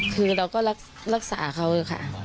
คือเราก็รักษาเขาอยู่ค่ะ